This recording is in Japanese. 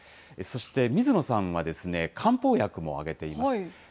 そして水野さんは漢方薬も挙げています。